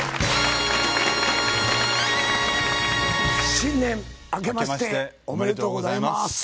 新年あけましておめでとうございます。